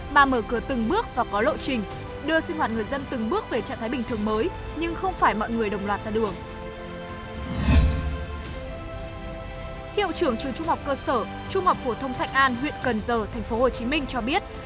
hiệu trưởng trường trung học cơ sở trung học phổ thông thạch an huyện cần giờ tp hcm cho biết